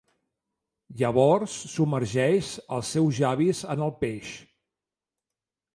Llavors submergeix els seus llavis en el peix.